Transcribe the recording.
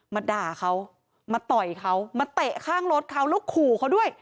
มาด่าเขามาต่อยเขามาเตะข้างรถเขาแล้วขู่เขาด้วย